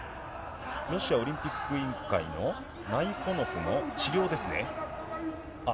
ロシアオリンピック委員会のナイフォノフの治療ですね。